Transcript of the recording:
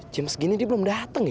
jam segini dia belum dateng ya